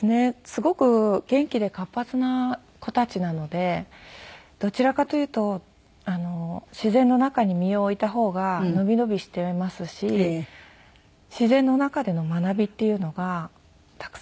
すごく元気で活発な子たちなのでどちらかというと自然の中に身を置いた方がのびのびしていますし自然の中での学びっていうのがたくさんあるので。